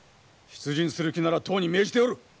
出陣する気ならとうに命じておる！